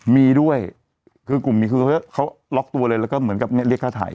มีด้วยกลุ่มนีคู่เขาล็อกตัวเลยแล้วก็เหมือนกับเรียกท่าไทย